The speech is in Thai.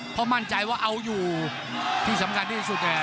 เพราะมั่นใจว่าเอาอยู่ที่สำคัญที่สุดเนี่ย